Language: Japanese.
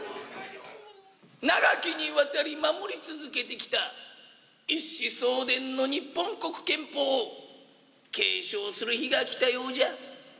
長きにわたり守り続けてきた一子相伝のニッポンコク拳法を継承する日が来たようじゃ。